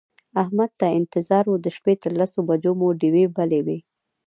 احمد ته انتظار و د شپې تر لسو بجو مو ډېوې بلې وې.